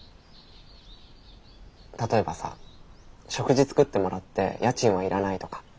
例えばさ食事作ってもらって家賃はいらないとか。